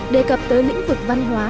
đề cập tới lĩnh vực văn hóa